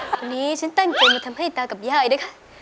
วันนี้ฉันตั้งใจมาทำให้ตากับยายด้วยค่ะ